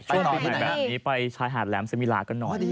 ช่วงปีใบเป็นการไปจะใช้หาดแหลมเซมิลากันหนอ